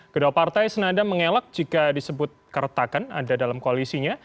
kedua partai senada mengelak jika disebut keretakan ada dalam koalisinya